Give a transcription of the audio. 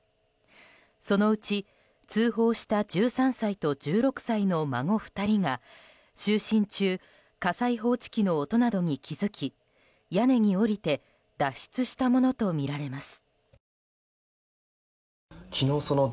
そのうち、通報した１３歳と１６歳の孫２人が就寝中、火災報知機の音などに気づき屋根に降りて脱出したものとみられます。